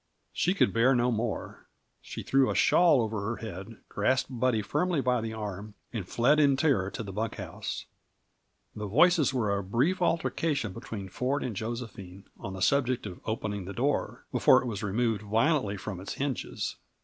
She could bear no more. She threw a shawl over her head, grasped Buddy firmly by the arm, and fled in terror to the bunk house. The voices were a brief altercation between Ford and Josephine, on the subject of opening the door, before it was removed violently from its hinges.